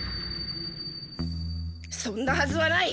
そんなはずはない。